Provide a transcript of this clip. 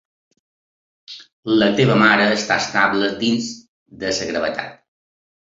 La teva mare està estable dins de la gravetat.